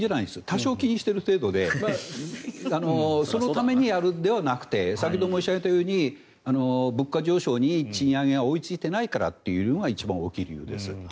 多少気にしてる程度でそのためにやるのではなくて先ほど申し上げたように物価上昇に賃上げが追いついていないからというのが一番大きい理由です。